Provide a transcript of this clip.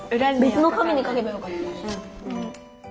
べつの紙に書けばよかった。